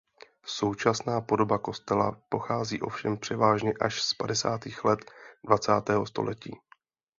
Současná podoba kostela pochází ovšem převážně až z padesátých let dvacátého století.